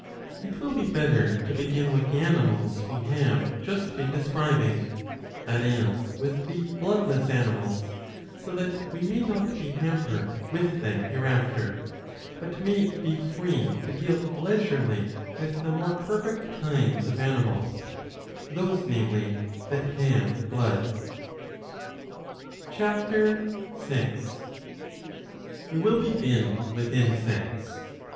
It will be better to begin with the animals we have just been describing, that is with the bloodless animals, so that we may not be hampered with them hereafter, but may be free to deal leisurely with the more perfect kinds of animals, those namely that have blood. (Ch. 6.) We will begin with Insects.